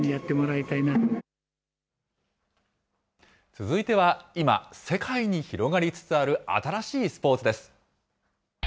続いては今、世界に広がりつつある新しいスポーツです。